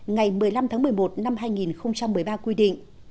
ngày một mươi năm tháng một mươi một năm hai nghìn một mươi ba quy định